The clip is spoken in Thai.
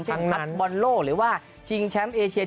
เช่นพลัทธ์บอลโลหรือว่าชิงแชมป์เอเชีย